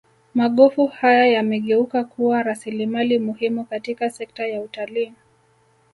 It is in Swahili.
Magofu haya yamegeuka kuwa rasilimali muhimu katika sekta ya utalii